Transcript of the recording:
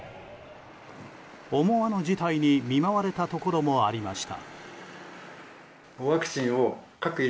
思わぬ事態に見舞われたところもありました。